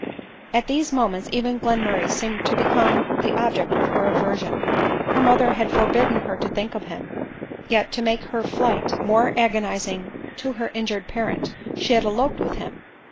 At these moments even Glenmurray seemed to become the object of her aversion. Her mother had forbidden her to think of him ; yet, to make her flight more agoniz ing to her injured parent, she had eloped with him.